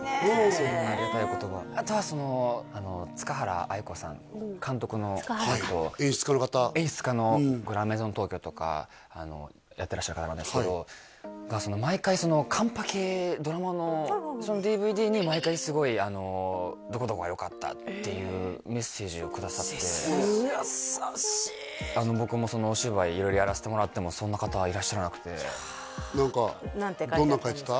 そんなありがたいことがあとはそのはい演出家の方演出家の「グランメゾン東京」とかやってらっしゃる方なんですけどが毎回その完パケドラマのそのＤＶＤに毎回すごいどこどこがよかったっていうメッセージをくださって優しい僕もお芝居色々やらせてもらってもそんな方はいらっしゃらなくて何かどんなん書いてた？